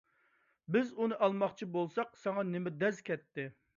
بىز ئۇنى ئالماقچى بولساق ساڭا نېمە دەز كەتتى؟